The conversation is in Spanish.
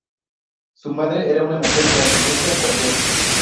Su madre, era una mujer de ascendencia sayed.